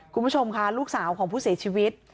คุณผู้ชมค่ะลูกสาวของผู้เสียชีวิต